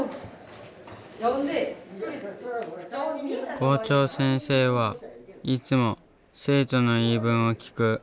校長先生はいつも生徒の言い分を聞く。